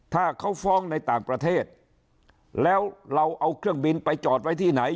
ถ้าเขาฟ้องในต่างประเทศแล้วเราเอาเครื่องบินไปจอดไว้ที่ไหน